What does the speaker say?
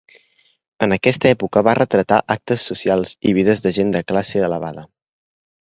En aquesta època va retratar actes socials i vides de gent de classe elevada.